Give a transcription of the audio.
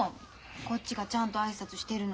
こっちがちゃんと挨拶してるのに。